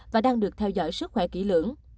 và đang được theo dõi sức khỏe kỹ lưỡng